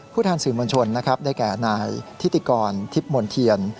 ผู้ถามสื่อมวลชนได้แก่นายทิศรรย์กรถิบวลเทียน